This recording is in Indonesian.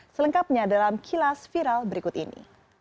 selengkapnya dalam kilas viral berikut ini